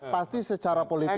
pasti secara politik